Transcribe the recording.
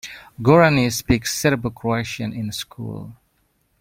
Gorani speak Serbo-Croatian in school.